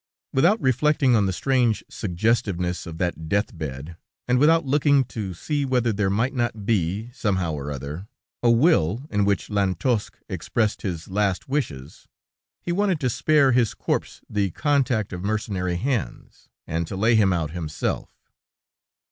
"Without reflecting on the strange suggestiveness of that death bed, and without looking to see whether there might not be, somehow or other, a will in which Lantosque expressed his last wishes, he wanted to spare his corpse the contact of mercenary hands, and to lay him out himself.